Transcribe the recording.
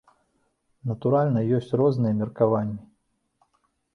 Натуральна, ёсць розныя меркаванні!